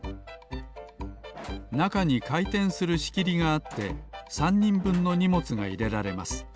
なかにかいてんするしきりがあって３にんぶんのにもつがいれられます。